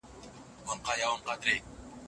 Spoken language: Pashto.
مرسته د ځوانانو د ژوند کیفیت ښه کوي.